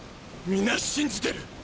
皆信じてる！